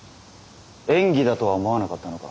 演技だとは思わなかったのか？